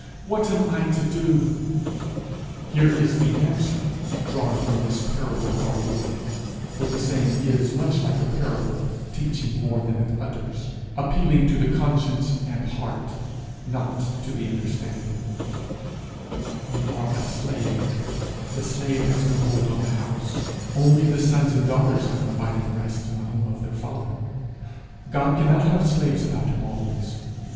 what am I to do?' Here is the answer, drawn from this parable of our Lord; for the saying is much like a parable, teaching more than it utters, appealing to the conscience and heart, not to the understanding: You are a slave; the slave has no hold on the house; only the sons and daughters have an abiding rest in the home of their father. God cannot have slaves about him always.